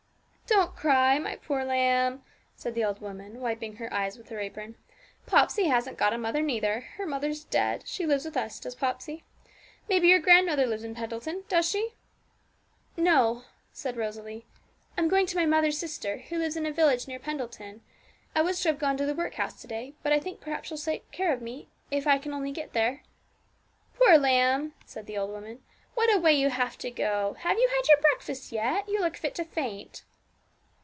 'Don't cry, my poor lamb!' said the old woman, wiping her eyes with her apron. 'Popsey hasn't got a mother neither her mother's dead; she lives with us, does Popsey. Maybe your grandmother lives in Pendleton; does she?' 'No,' said Rosalie; 'I'm going to my mother's sister, who lives in a village near Pendleton. I was to have gone to the workhouse to day, but I think perhaps she'll take care of me, if I only can get there.' 'Poor lamb!' said the old woman; 'what a way you have to go! Have you had your breakfast yet? You look fit to faint.'